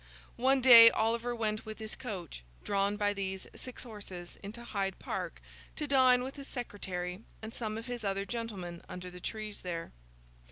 One day, Oliver went with his coach, drawn by these six horses, into Hyde Park, to dine with his secretary and some of his other gentlemen under the trees there.